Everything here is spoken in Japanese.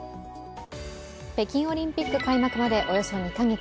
北京オリンピック開幕までおよそ２カ月。